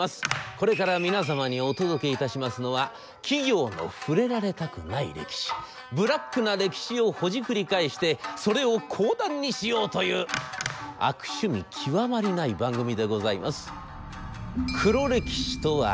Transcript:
これから皆様にお届けいたしますのは企業の触れられたくない歴史ブラックな歴史をほじくり返してそれを講談にしようという悪趣味極まりない番組でございます。